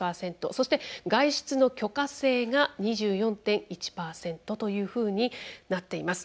そして「外出の許可制」が２４．１％というふうになっています。